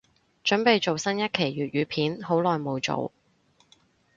凖備做新一期粤語片，好耐無做